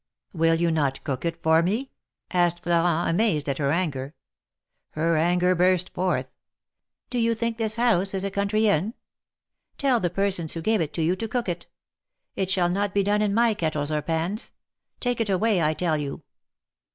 " Will you not cook it for me?" asked Florent, amazed at her anger. Her anger burst forth. "Do you think this house is a country inn? Tell the persons who gave it to you to cook it. It shall not be done in my kettles or pans. Take it away, I tell you."